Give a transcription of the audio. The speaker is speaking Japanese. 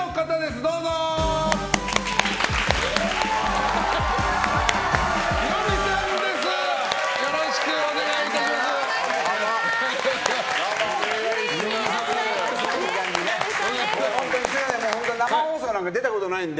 どうも、生放送なんか出たことないので。